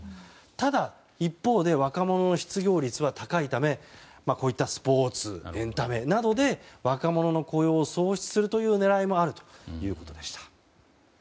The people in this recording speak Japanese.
ただ、一方で若者の失業率は高いためこういったスポーツやエンタメなどで若者の雇用を創出する狙いがあるということでした。